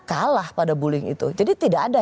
kalah pada bullying itu jadi tidak ada